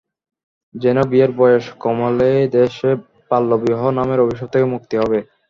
যেন বিয়ের বয়স কমালেই দেশ বাল্যবিবাহ নামের অভিশাপ থেকে মুক্তি হবে।